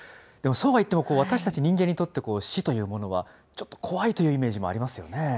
でもそうはいっても私たち人間にとっては死というものは、ちょっと怖いというイメージもありますよね。